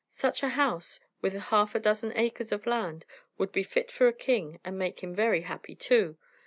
Such a house, with half a dozen acres of land, would be fit for a king, and make him very happy, too.